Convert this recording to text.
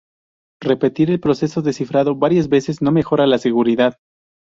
Repetir el proceso de cifrado varias veces no mejora la seguridad.